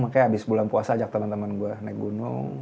makanya abis bulan puasa ajak teman teman gue naik gunung